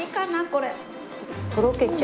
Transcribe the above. これ。